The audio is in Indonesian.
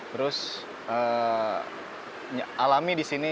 terus alami di sini